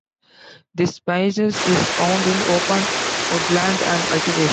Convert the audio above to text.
This species is found in open woodland and cultivation.